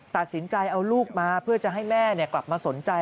ตัดสินใจเอาลูกมาเพื่อจะให้แม่กลับมาสนใจ